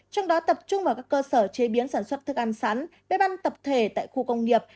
trong đó tập trung vào các cơ sở chế biến sản xuất thức ăn sắn bếp ăn tập thể tại khu công nghiệp